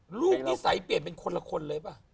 ลูกนิสัยเปลี่ยนเป็นคนละคนเลยป่ะ